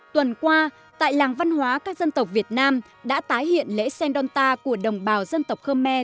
tuần qua tại làng văn hóa các dân tộc việt nam đã tái hiện lễ sendonta của đồng bào dân tộc khmer